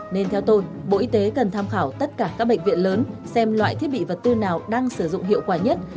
nên theo tôi bộ y tế cần tham khảo tất cả các bệnh viện lớn xem loại thiết bị vật tư nào đang sử dụng hiệu quả nhất